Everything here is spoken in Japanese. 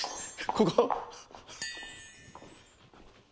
ここ？